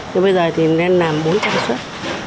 thế bây giờ thì nên làm bốn trăm linh xuất